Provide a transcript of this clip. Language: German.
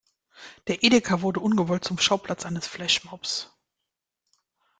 Der Edeka wurde ungewollt zum Schauplatz eines Flashmobs.